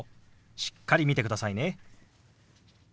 しっかり見てくださいね。